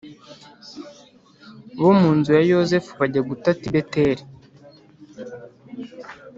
bo mu nzu ya yozefu bajya gutata+ i beteli